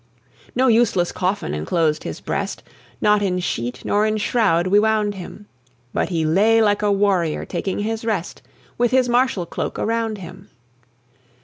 No useless coffin enclosed his breast, Not in sheet nor in shroud we wound him; But he lay like a warrior taking his rest, With his martial cloak around him.